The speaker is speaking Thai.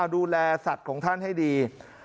ดูแลสัตว์ของท่านให้ดี